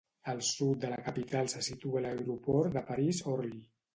Al sud de la capital se situa l'Aeroport de París-Orly.